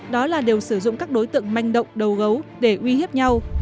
đó là đều sử dụng các đối tượng manh động đầu gấu để uy hiếp nhau